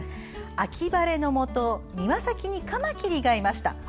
秋晴れのもと庭先に、かまきりがいました。